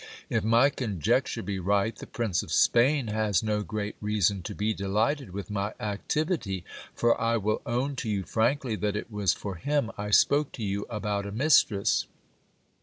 If my conjecture be right, the Prince of Spain has no great reason to be delighted with my activity ; for I will own to you frankly, that it was for him I spoke to you about a mistress.